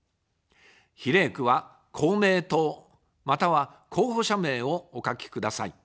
比例区は公明党または候補者名をお書きください。